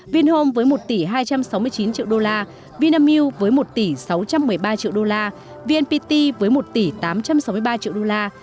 vinhome với một tỷ hai trăm sáu mươi chín triệu đô la vinamilk với một tỷ sáu trăm một mươi ba triệu đô la vnpt với một tỷ tám trăm sáu mươi ba triệu đô la